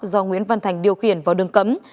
do nguyễn văn thành điều khiển vào đường cấm